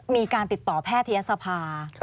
มีการติดต่อแพทยศภา